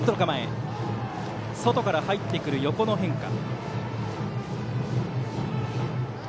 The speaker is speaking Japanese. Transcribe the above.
外から入ってくる横の変化。